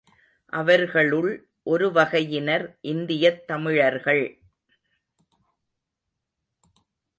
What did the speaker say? அவர்களுள் ஒருவகையினர் இந்தியத் தமிழர்கள்.